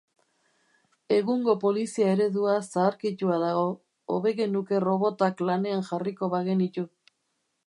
Egungo polizia eredua zaharkitua dago; hobe genuke robotak lanean jarriko bagenitu.